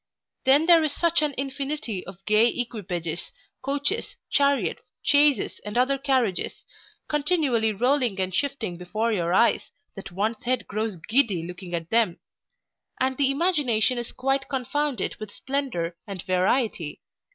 Then there is such an infinity of gay equipages, coaches, chariots, chaises, and other carriages, continually rolling and shifting before your eyes, that one's head grows giddy looking at them; and the imagination is quite confounded with splendour and variety.